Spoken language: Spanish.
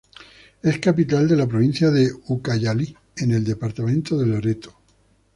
Es capital de la provincia de Ucayali en el departamento de Loreto.